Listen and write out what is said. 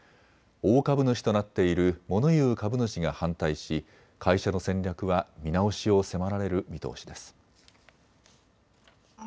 大株主となっているモノ言う株主が反対し会社の戦略は見直しを迫られる見通しです。